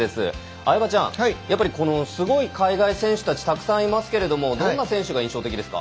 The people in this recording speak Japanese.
相葉ちゃん、すごい海外選手たちたくさんいますけれどどんな選手が印象的ですか？